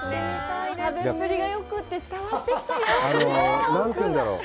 食べっぷりがよくて、伝わってきたよ。